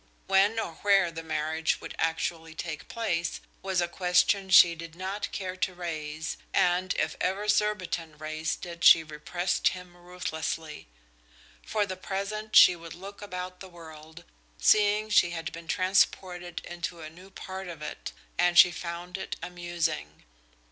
When or where the marriage would actually take place was a question she did not care to raise, and if ever Surbiton raised it she repressed him ruthlessly. For the present she would look about the world, seeing she had been transported into a new part of it, and she found it amusing.